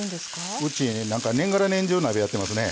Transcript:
うち年がら年中鍋やってますね。